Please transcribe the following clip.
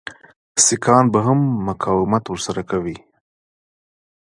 سیکهان به هم مقاومت ورسره کوي.